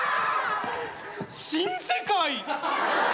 新世界！